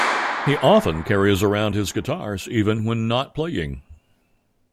He often carries around his guitars even when not playing.